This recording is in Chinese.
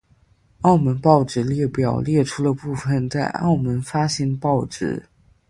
澳门报纸列表列出了部分在澳门发行的报纸。